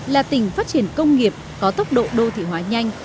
là tỉnh phát triển công nghiệp có tốc độ đô thị hóa nhanh